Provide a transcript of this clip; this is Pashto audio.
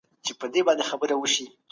که باران وسو موږ به ليري ولاړ سو.